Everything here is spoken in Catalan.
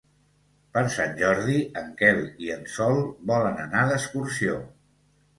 Per Sant Jordi en Quel i en Sol volen anar d'excursió.